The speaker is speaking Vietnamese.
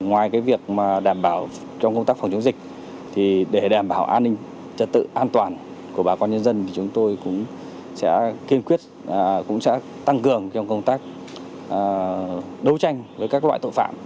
ngoài việc đảm bảo trong công tác phòng chống dịch để đảm bảo an ninh trật tự an toàn của bà con nhân dân thì chúng tôi cũng sẽ kiên quyết cũng sẽ tăng cường công tác đấu tranh với các loại tội phạm